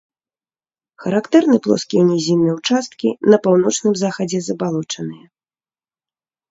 Характэрны плоскія нізінныя ўчасткі, на паўночным захадзе забалочаныя.